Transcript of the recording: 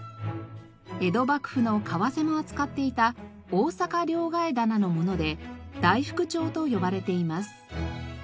江戸幕府の為替も扱っていた大坂両替店のもので「大福帳」と呼ばれています。